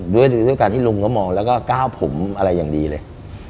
ด้วยการที่ลุงเขามองแล้วก็ก้าวผมอะไรอย่างดีเลย